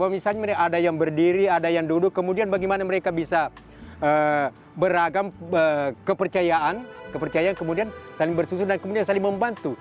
misalnya ada yang berdiri ada yang duduk kemudian bagaimana mereka bisa beragam kepercayaan kepercayaan kemudian saling bersusun dan kemudian saling membantu